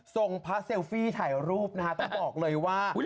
ส่งพระเซลฟี่ถ่ายรูปนะฮะต้องบอกเลยว่าอุ้ยหล่อ